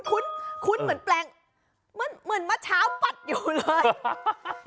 คุ้นเหมือนแปลงเหมือนมัดเช้าปัดอยู่เลย